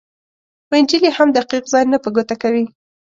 خو انجیل یې هم دقیق ځای نه په ګوته کوي.